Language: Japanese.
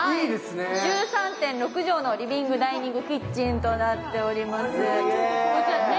１３．６畳のリビングダイニングキッチンとなっております。